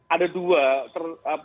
ada dua apa pergilah